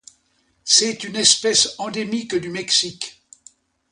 C'est une espèce endémique du Mexique.